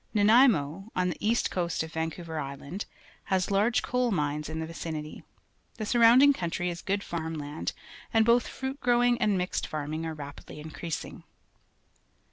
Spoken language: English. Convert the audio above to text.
Xanaimo, on the east coast of Vancouver Island, has large coal mines in the vicinity. The .surrounding country is good farm land, and both fruit growing and mixed farming are rapidly increasing.